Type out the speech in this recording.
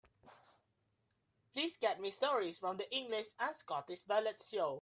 Please get me Stories from the English and Scottish Ballads show.